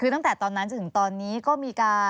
ได้ค่ะยินดีค่ะ